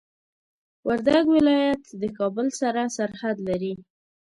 وردګ ولايت د کابل سره سرحد لري.